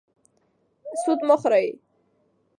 سود مه خورئ.